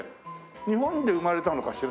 日本で生まれたのかしら？